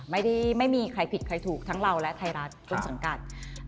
ไม่มีใครผิดใครถูกทั้งเราและไทยรัฐต้นสังกัด